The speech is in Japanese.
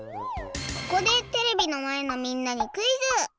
ここでテレビのまえのみんなにクイズ。